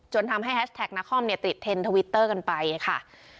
ทำให้แฮชแท็กนาคอมเนี่ยติดเทนทวิตเตอร์กันไปค่ะ